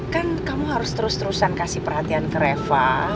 kan kamu harus terus terusan kasih perhatian ke reva